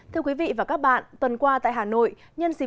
thưa quý vị và các bạn tuần qua tại hà nội